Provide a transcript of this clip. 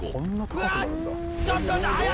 うわっ